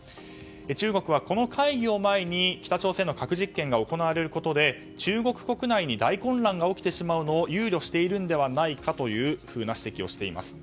中国はこの会議を前に北朝鮮の核実験が行われることで中国国内に大混乱が起きてしまうのを憂慮しているのではないかという指摘をしています。